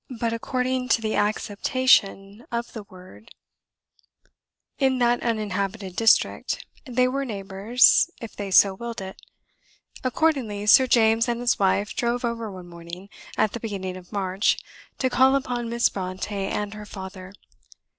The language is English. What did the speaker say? But, according to the acceptation of the word in that uninhabited district, they were neighbours, if they so willed it. Accordingly, Sir James and his wife drove over one morning, at the beginning of March, to call upon Miss Brontë and her father.